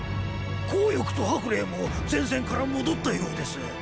項翼と白麗も前線から戻ったようです。